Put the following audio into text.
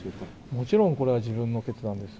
もちろん、これは自分の決断です。